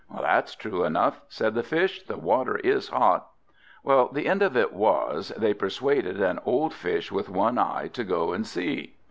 "That's true enough," said the Fish; "the water is hot." Well, the end of it was, they persuaded an old Fish with one eye to go and see.